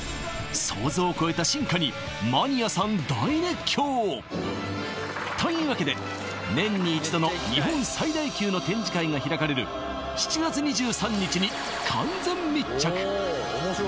想像を超えた進化にというわけで年に一度の日本最大級の展示会が開かれる７月２３日に完全密着！